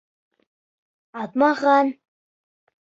Атмаған!